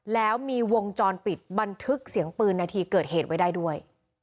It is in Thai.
แล้วมีวงจรปิดบันทึกเสียงปืนนาทีเกิดเหตุไว้ได้ด้วย